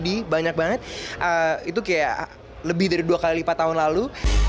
jadi banyak banget itu kayak lebih dari dua kali lipat tahun lalu